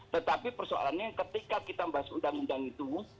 tetapi persoalannya ketika kita membahas undang undang itu